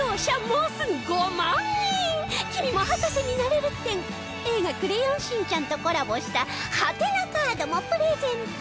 もうすぐ５万人「君も博士になれる展」『映画クレヨンしんちゃん』とコラボしたはてなカードもプレゼント